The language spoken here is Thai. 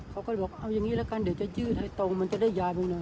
เขาก็บอกเอายังงี้ละกันเดี๋ยวจะยืดให้ตรงมันจะได้ยาบนึงหน่อย